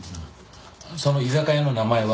その居酒屋の名前は？